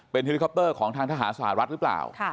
เฮลิคอปเตอร์ของทางทหารสหรัฐหรือเปล่า